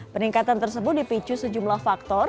peningkatan tersebut dipicu sejumlah faktor